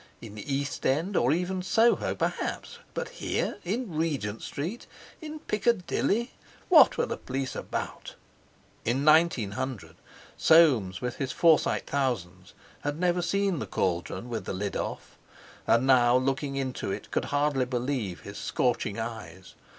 In the East End, or even Soho, perhaps—but here in Regent Street, in Piccadilly! What were the police about! In 1900, Soames, with his Forsyte thousands, had never seen the cauldron with the lid off; and now looking into it, could hardly believe his scorching eyes.